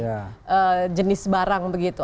dari jenis barang begitu